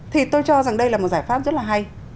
thì tôi cho rằng đây là một giải pháp rất là hay